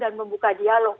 dan membuka dialog